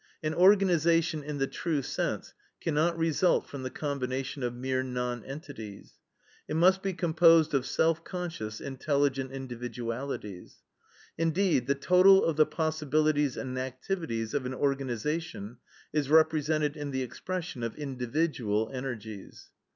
"An organization, in the true sense, cannot result from the combination of mere nonentities. It must be composed of self conscious, intelligent individualities. Indeed, the total of the possibilities and activities of an organization is represented in the expression of individual energies.